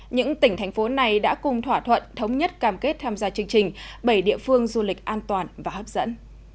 những tỉnh thành phố này đã cùng thỏa thuận thống nhất cam kết tham gia chương trình bảy địa phương du lịch an toàn và hấp dẫn